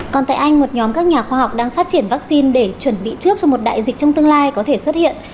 còn tại anh một nhóm các nhà khoa học đang phát triển vaccine để chuẩn bị trước cho một đại dịch trong tương lai có thể xuất hiện